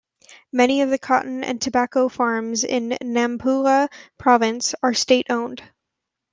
Many of the cotton and tobacco farms in Nampula Province are state-owned.